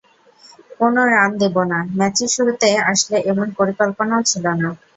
কোনো রান দেব না, ম্যাচের শুরুতে আসলে এমন পরিকল্পনাও ছিল না।